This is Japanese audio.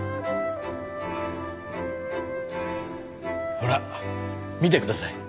ほら見てください。